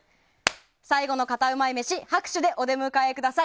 最後のカタうまい飯拍手でお出迎えください。